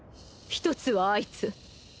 一つはあいつ。